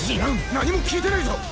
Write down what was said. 何も聞いてないぞ。